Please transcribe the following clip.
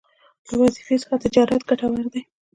له وظيفې څخه تجارت ګټور دی